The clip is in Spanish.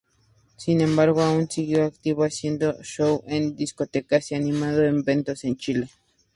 Sin embargo, aún siguió activa haciendo shows en discotecas y animando eventos en Chile.